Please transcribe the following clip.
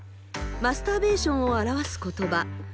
マスターベーションを表す言葉。